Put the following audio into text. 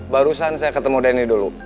barusan saya ketemu dhani dulu